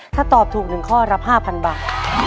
ถ้าตอบถูก๑ข้อรับ๕๐๐บาท